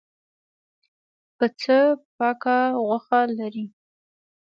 پسه پاکه غوښه لري.